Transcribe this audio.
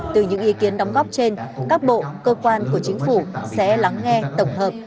từ những ý kiến đóng góp trên các bộ cơ quan của chính phủ sẽ lắng nghe tổng hợp